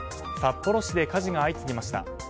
札幌市で火事が相次ぎました。